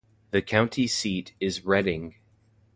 The county seat is Redding.